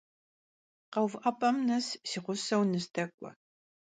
Kheuvı'ep'em nes si ğuseu nızdek'ue!